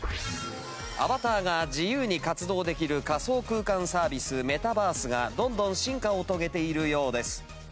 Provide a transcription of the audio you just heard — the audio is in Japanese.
アバターが自由に活動できる仮想空間サービスメタバースがどんどん進化を遂げているようです。